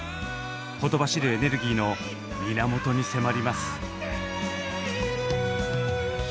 ほとばしるエネルギーの源に迫ります。